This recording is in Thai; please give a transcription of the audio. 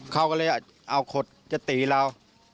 เขาก็เลยเอาขดจะตีเรา